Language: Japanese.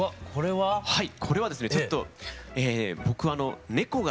はい。